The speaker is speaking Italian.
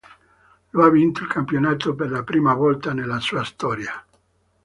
Lo ha vinto il campionato per la prima volta nella sua storia.